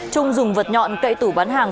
trung dùng vật nhọn cậy tủ bán hàng